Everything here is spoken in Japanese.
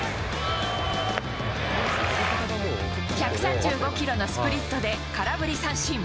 １３５キロのスプリットで空振り三振。